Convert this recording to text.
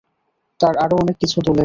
তার আরো অনেক কিছু দোলে।